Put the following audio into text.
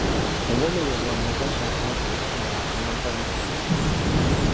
Ծնվել է իռլանդական ծագմամբ քրիստոնեական ընտանիքում։